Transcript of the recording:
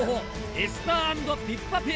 エスター＆ピッパペア。